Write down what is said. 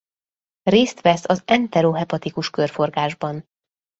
Részt vesz az entero-hepatikus körforgásban.